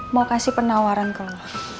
mau kasih penawaran ke lo